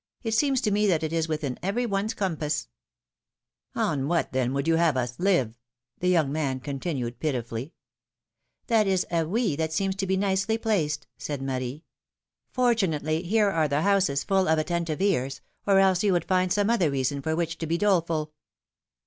It seems to me that is within every one's compass !" '^On what, then, would you have us live?" the young man continued, pitifully. ^^That is a we that seems to me nicely placed," said Marie. Fortunately, here are the houses full of atten tive ears, or else you would find some other reason for which to be doleful."